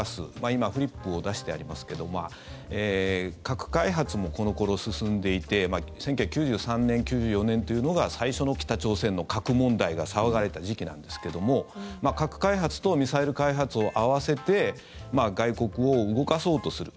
今フリップを出してありますけど核開発もこの頃、進んでいて１９９３年、９４年というのが最初の北朝鮮の核問題が騒がれた時期なんですけども核開発とミサイル開発を合わせて外国を動かそうとする。